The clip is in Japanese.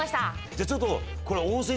じゃあちょっとこれ。